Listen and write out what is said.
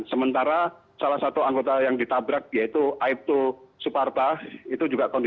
sementara salah satu anggota yang ditabrak yaitu aibtu suparta itu juga kondisi